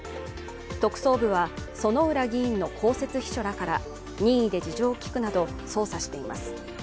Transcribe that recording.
特捜部は薗浦議員の公設秘書らから任意で事情を聴くなど、捜査しています。